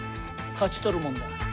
勝ち取るもんだ！